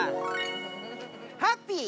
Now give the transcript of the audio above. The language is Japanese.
ハッピー！